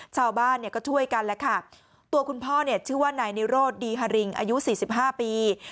ชาวบ้านก็ช่วยกันแล้วค่ะตัวคุณพ่อชื่อว่าไนเนโรดดีฮาริงอายุ๔๕ปี